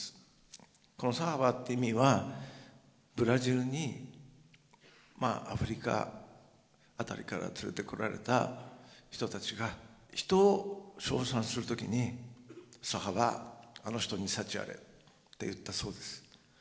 この「サラヴァ」っていう意味はブラジルにアフリカ辺りから連れてこられた人たちが人を称賛する時に「サラヴァあの人に幸あれ」って言ったそうです。